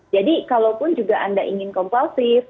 jadi kalau pun juga anda ingin kompalsif